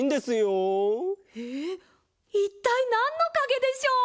いったいなんのかげでしょう？